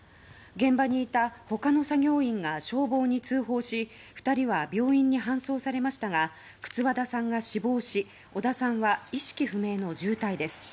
現場にいた他の作業員が消防に通報し２人は病院に搬送されましたが轡田さんが死亡し小田さんは意識不明の重体です。